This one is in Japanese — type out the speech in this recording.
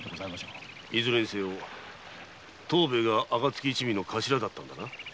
いずれにせよ藤兵衛は「暁一味」の頭だったのだな？